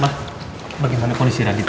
ma bagaimana kondisi radit